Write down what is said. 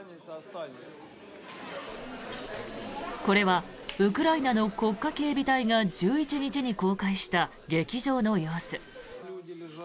これはウクライナの国家警備隊が１１日に公開した劇場の様子。